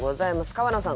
川野さん